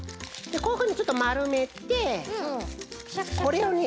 こういうふうにちょっとまるめてこれをね